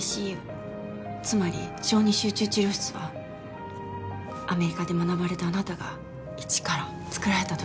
つまり小児集中治療室はアメリカで学ばれたあなたが一から作られたと聞いています」